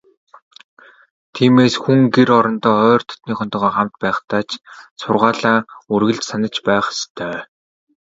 Тиймээс, хүн гэр орондоо ойр дотнынхонтойгоо хамт байхдаа ч сургаалаа үргэлж санаж байх ёстой.